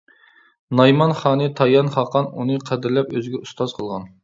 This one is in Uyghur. نايمان خانى تايان خاقان ئۇنى قەدىرلەپ ئۆزىگە ئۇستاز قىلغان.